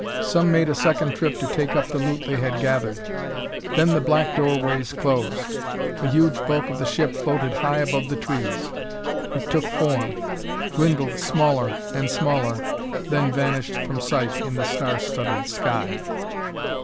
Some made a second trip to take up the loot they had gathered. Then the black doorways closed; the huge bulk of the ship floated high above the trees; it took form, dwindled smaller and smaller, then vanished from sight in the star studded sky.